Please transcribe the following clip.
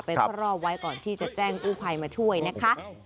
รอบไว้ก่อนที่จะแจ้งกู้ภัยมาช่วยนะคะ